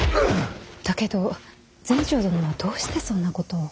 だけど全成殿はどうしてそんなことを。